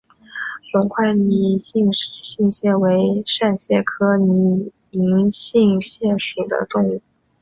隆块拟银杏蟹为扇蟹科拟银杏蟹属的动物。